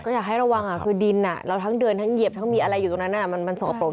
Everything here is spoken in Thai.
อยากให้ระวังคือดินเราทั้งเดินทั้งเหยียบทั้งมีอะไรอยู่ตรงนั้นมันส่อปรก